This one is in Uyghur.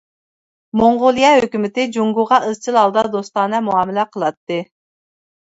موڭغۇلىيە ھۆكۈمىتى جۇڭگوغا ئىزچىل ھالدا دوستانە مۇئامىلە قىلاتتى.